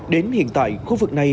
đến hiện tại khu vực này